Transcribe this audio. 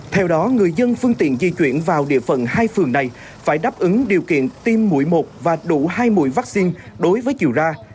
theo đó người dân phương tiện di chuyển vào địa phận hai phường này phải đáp ứng điều kiện tiêm mũi một và đủ hai mũi vaccine đối với chiều ra